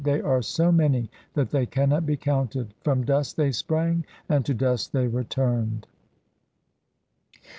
they are so many that they cannot be counted ; from dust they sprang and to dust they returned.